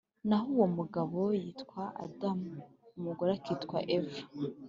naho uwo mugabo yitwa adamu, umugore akitwa eva.